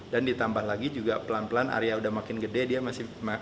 dan ditambah lagi juga pelan pelan arya udah makin gede dia masih mulai bisa ngobrol sama saya